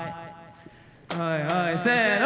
はいはいせぇの。